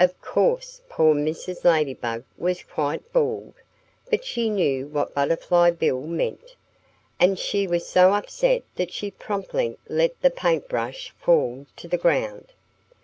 Of course poor Mrs. Ladybug was quite bald. But she knew what Butterfly Bill meant. And she was so upset that she promptly let the paint brush fall to the ground.